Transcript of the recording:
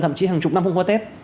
thậm chí hàng chục năm không có tết